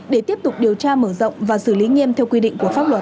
để tiếp tục điều tra mở rộng và xử lý nghiêm theo quy định của pháp luật